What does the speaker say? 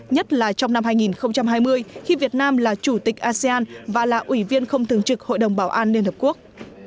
nhất là trong năm hai nghìn hai mươi khi việt nam là chủ tịch asean và là ủy viên không thường trực hội đồng bảo an liên hợp quốc